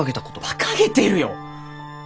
バカげてるよ！